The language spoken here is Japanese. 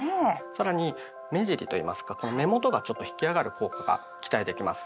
更に目尻といいますか目元がちょっと引き上がる効果が期待できます。